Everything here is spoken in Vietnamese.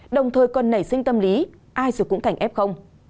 đồng thời còn nảy sinh tâm lý ai dù cũng thảnh ép không